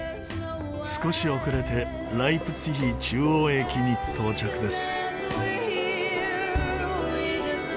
少し遅れてライプツィヒ中央駅に到着です。